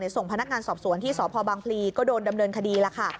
ส่งพนักงานสอบสวนที่สพบังพลีก็โดนดำเนินคดีแล้วค่ะ